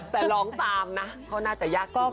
แต่ร้องตามนะเขาน่าจะยากอยู่